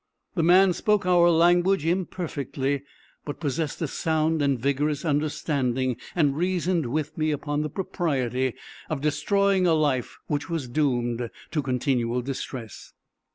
This man spoke our language imperfectly, but possessed a sound and vigorous understanding, and reasoned with me upon the propriety of destroying a life which was doomed to continual distress.